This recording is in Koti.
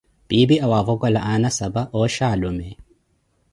Piipi awavokola aana sapa, ooxhi alume.